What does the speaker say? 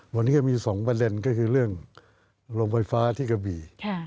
วันนี้ก็มี๒ประเด็นก็คือเรื่องโรงไฟฟ้าที่กระบี่